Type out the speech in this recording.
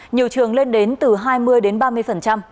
nhiều trường lên đến từ hai mươi đến ba mươi